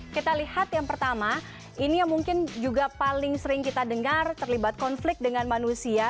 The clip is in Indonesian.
kita lihat yang pertama ini yang mungkin juga paling sering kita dengar terlibat konflik dengan manusia